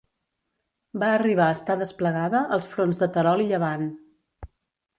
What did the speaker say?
Va arribar a estar desplegada als fronts de Terol i Llevant.